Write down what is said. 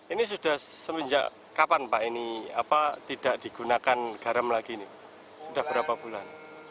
ini sudah semenjak kapan pak ini tidak digunakan garam lagi ini sudah berapa bulan